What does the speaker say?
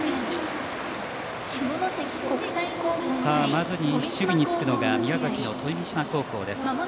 まず守備につくのが宮崎の富島高校です。